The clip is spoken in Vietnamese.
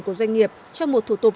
của doanh nghiệp trong một thủ tục